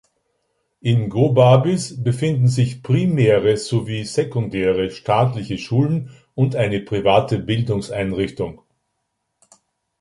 In Gobabis befinden sich primäre sowie sekundäre staatliche Schulen und eine private Bildungseinrichtung.